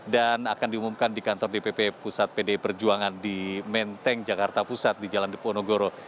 dan akan diumumkan di kantor dpp pusat pdi perjuangan di menteng jakarta pusat di jalan diponogoro